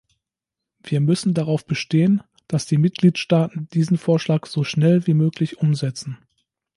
Wir müssen darauf bestehen, dass die Mitgliedstaaten diesen Vorschlag so schnell wie möglich umsetzen.